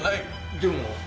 でも。